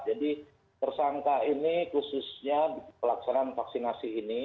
jadi tersangka ini khususnya pelaksanaan vaksinasi ini